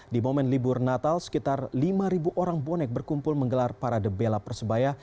di momen libur natal sekitar lima orang bonek berkumpul menggelar para debella persebaya